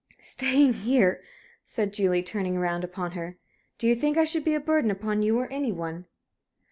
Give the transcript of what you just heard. "Staying here?" said Julie, turning round upon her. "Do you think I should be a burden upon you, or any one?"